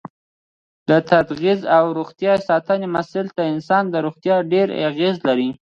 د تغذیې او روغتیا ساتنې مساله د انسان په روغتیا ډېره اغیزه لري.